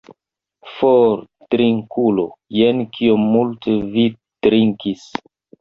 For, drinkulo, jen kiom multe vi drinkis!